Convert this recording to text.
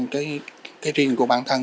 cái riêng của bản thân